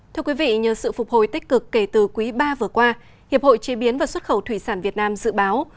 thưa quý vị nhờ sự phục hồi tích cực kể từ quý ba vừa qua hiệp hội chế biến và xuất khẩu thủy sản việt nam dự báo